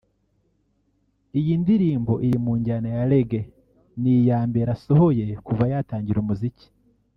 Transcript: Iyi ndirimbo iri mu njyana ya Reggae ni iya mbere asohoye kuva yatangira umuziki wenyine